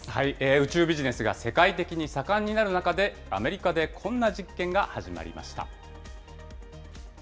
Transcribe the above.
宇宙ビジネスが世界的に盛んになる中で、アメリカでこんな実験が始まりました。